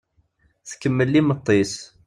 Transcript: Tkemmel i yimeṭṭi-s.